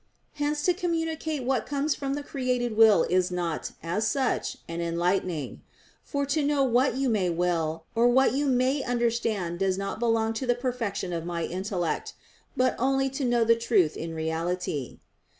Hence to communicate what comes from the created will is not, as such, an enlightening. For to know what you may will, or what you may understand does not belong to the perfection of my intellect; but only to know the truth in reality.